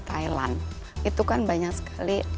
thailand itu kan banyak sekali